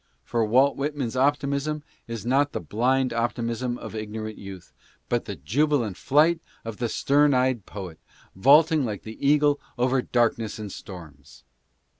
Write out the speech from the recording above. For Walt Whitman's optimism is not the blind optimism of ignorant youth, but the jubilant flight of the stern eyed poet, vaulting like the eagle over darkness and storms.